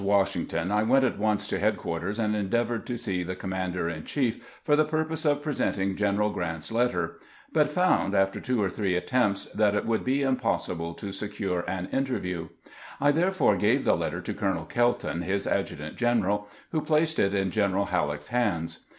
Washington I went at once to headquarters, and endeavored to see the com mander in chief for the purpose of presenting General Grant's letter, but found, after two or three attempts, that it would be impossible to secure an interview. I therefore gave the letter to Colonel Kelton, his adjutant general, who placed it in General Halleck's hands.